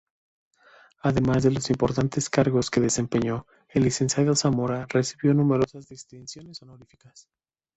Además de los importantes cargos que desempeñó, el licenciado Zamora recibió numerosas distinciones honoríficas.